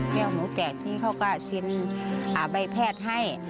แก้วหูแตกที่เขาก็เซียนใบแพทย์ให้